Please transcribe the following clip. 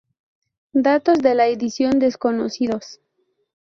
Datos de la edición desconocidos.